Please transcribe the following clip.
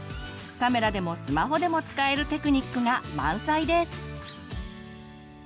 カメラでもスマホでも使えるテクニックが満載です！